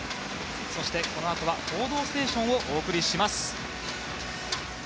そして、このあとは「報道ステーション」をお送りします。